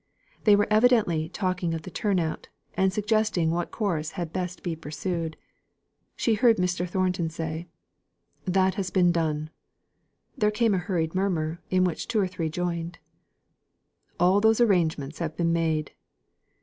They were evidently talking of the turn out, and suggesting what course had best be pursued. She heard Mr. Thornton say: "That has been done." Then came a hurried murmur, in which two or three joined. "All those arrangements have been made."